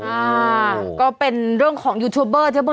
อ่าก็เป็นเรื่องของยูทูบเบอร์ใช่ไหม